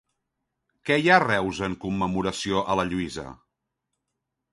Què hi ha a Reus en commemoració a la Lluïsa?